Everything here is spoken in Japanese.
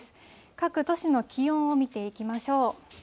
各都市の気温を見ていきましょう。